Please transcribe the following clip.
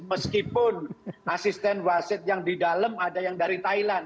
meskipun asisten wasit yang di dalam ada yang dari thailand